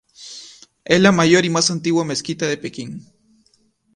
Es la mayor y más antigua mezquita de Pekín.